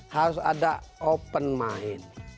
harus ada open mind